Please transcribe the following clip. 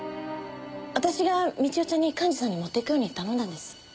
私が美知代ちゃんに幹事さんに持っていくように頼んだんです。